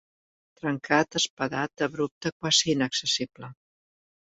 Trencat, espadat, abrupte, quasi inaccessible.